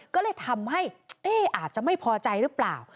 ก็เลยทำให้อาจจะไม่พอใจหรือเปล่า